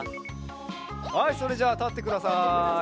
はいそれじゃあたってください。